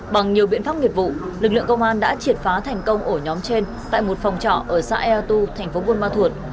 bằng nhiều biện pháp nghiệp vụ lực lượng công an đã triệt phá thành công ở nhóm trên tại một phòng trọ ở xã ea tu tp bun ma thuột